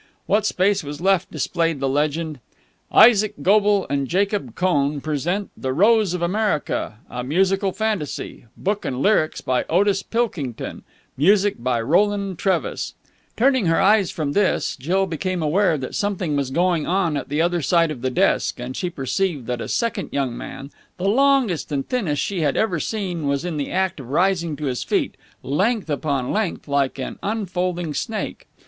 What space was left displayed the legend: ISAAC GOBLE AND JACOB COHN PRESENT THE ROSE OF AMERICA (A Musical Fantasy) BOOK AND LYRICS BY OTIS PILKINGTON MUSIC BY ROLAND TREVIS Turning her eyes from this, Jill became aware that something was going on at the other side of the desk, and she perceived that a second young man, the longest and thinnest she had ever seen, was in the act of rising to his feet, length upon length like an unfolding snake.